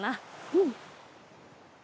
うん！